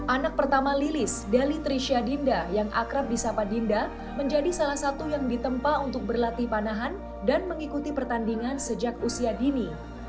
anak pertama lilis deli trisha dinda yang akrab di sapa dinda menjadi salah satu yang ditempa untuk berlatih panahan dan mengikuti pertandingan sejak usia dini